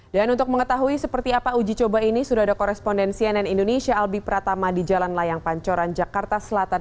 dan untuk mengetahui seperti apa uji coba ini sudah ada koresponden cnn indonesia albi pratama di jalan layang pancoran jakarta selatan